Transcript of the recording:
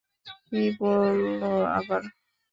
কী বললো আবার?